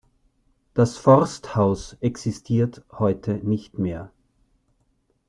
Das Forsthaus existiert heute nicht mehr.